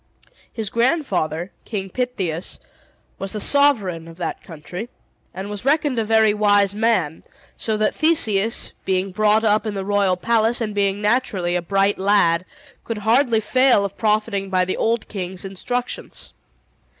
His grandfather, King Pittheus, was the sovereign of that country, and was reckoned a very wise man; so that Theseus, being brought up in the royal palace, and being naturally a bright lad, could hardly fail of profiting by the old king's instructions.